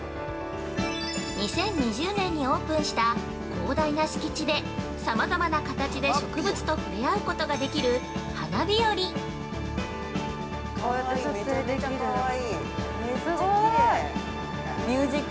◆２０２０年にオープンした広大な敷地でさまざまな形で植物と触れ合うことができる「ＨＡＮＡ・ＢＩＹＯＲＩ」。